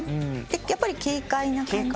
やっぱり軽快な感じ。